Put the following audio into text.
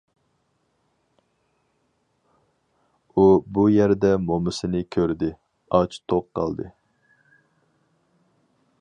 ئۇ بۇ يەردە مومىسىنى كۆردى، ئاچ-توق قالدى.